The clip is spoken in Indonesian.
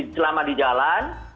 selama di jalan